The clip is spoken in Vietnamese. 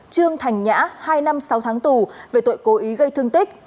trương thành nhã hai năm sáu tháng tù về tội cố ý gây thương tích